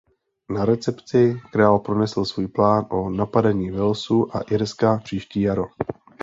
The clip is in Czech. Na recepci král pronesl svůj plán o napadení Walesu a Irska příští jaro.